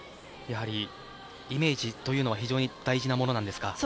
やはりイメージというのは非常に大事なものですか？